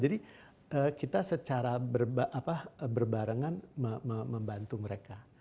jadi kita secara berbarengan membantu mereka